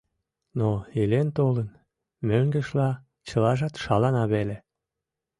Но, илен-толын, мӧҥгешла, чылажат шалана веле.